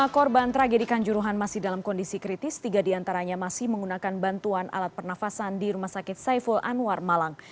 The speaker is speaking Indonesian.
lima korban tragedikan juruhan masih dalam kondisi kritis tiga diantaranya masih menggunakan bantuan alat pernafasan di rumah sakit saiful anwar malang